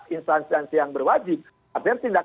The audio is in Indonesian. instansi yang berwajib artinya tindak